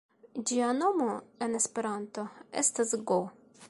Ĝia nomo en Esperanto estas go.